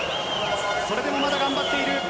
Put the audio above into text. それでもまだ頑張っている。